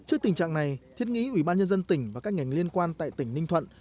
trước tình trạng này thiết nghĩ ủy ban nhân dân tỉnh và các ngành liên quan tại tỉnh ninh thuận